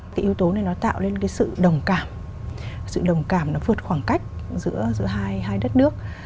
cái yếu tố này nó tạo lên cái sự đồng cảm sự đồng cảm nó vượt khoảng cách giữa hai đất nước